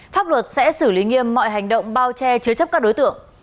pháp luật sẽ xử lý nghiêm mọi hành động bao che chứa chấp các đối tượng